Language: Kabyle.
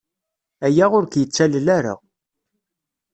Aya ur k-yettalel ara.